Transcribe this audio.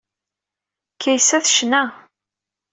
Kaysa tecna.